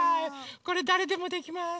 これだれでもできます。